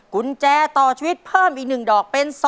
กุญแจต่อชีวิตเพิ่มอีก๑ดอกเป็น